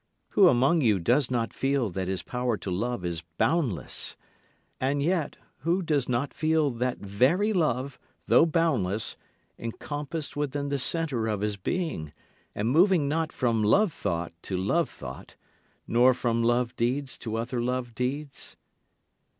Who among you does not feel that his power to love is boundless? And yet who does not feel that very love, though boundless, encompassed within the centre of his being, and moving not from love thought to love thought, nor from love deeds to other love deeds?